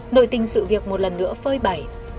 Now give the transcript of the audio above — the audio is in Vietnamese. nội tình sự việc một lần nữa phơi bày